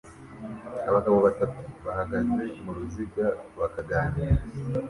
Abagabo batatu bahagaze muruziga bakaganira